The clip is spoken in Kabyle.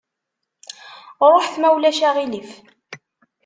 Ruḥet, ma ulac aɣilif!